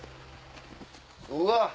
うわっ！